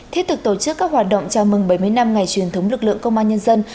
thiết thực tổ chức các hoạt động chào mừng bảy mươi năm ngày truyền thống lực lượng công an nhân dân